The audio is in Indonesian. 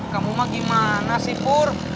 kamu mah gimana sih pur